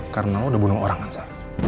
karena lo udah bunuh orang kan sa